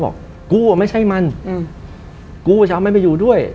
กูอะไม่ใช่มันกูช้าไม่อยู่ด้วย